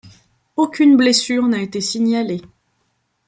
Aucune blessure n'a été signalée.